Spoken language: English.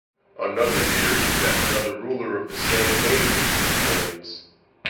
Another theory is that another ruler of the same name minted the coins.